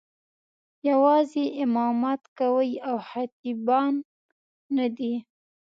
یوازې امامت کوي او خطیبان نه دي.